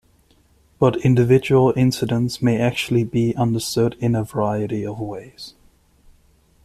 But individual incidents may actually be understood in a variety of ways.